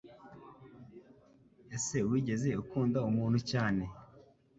ese wigeze ukundu umuntu cyane